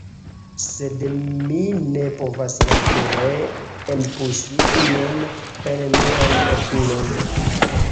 Sed mi ne povas nature enpuŝi ion en mian okulon